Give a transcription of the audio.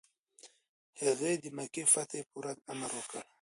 هغه د مکې د فتحې پر ورځ امر وکړ.